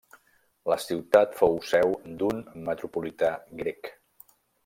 La ciutat fou seu d'un metropolità grec.